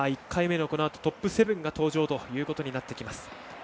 １回目のこのあとトップ７が登場ということになってきます。